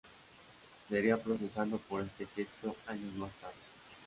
Sería procesado por este gesto años más tarde.